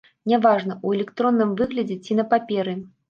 Няважна, у электронным выглядзе ці на паперы.